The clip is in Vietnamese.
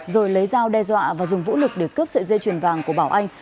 rồi lấy dao đe dọa và dùng vũ lực để cướp sợi dây chuyền vàng của bảo anh